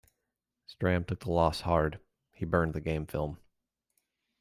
Stram took the loss hard; he burned the game film.